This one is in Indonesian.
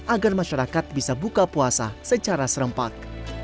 agar masyarakat bisa buka puasa secara serempak